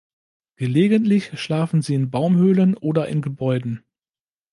Gelegentlich schlafen sie in Baumhöhlen oder in Gebäuden.